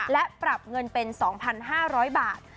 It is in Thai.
และปรับเงินเป็น๒๕๐๐บาท